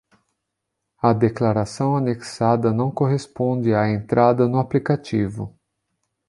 A declaração anexada não corresponde à entrada no aplicativo.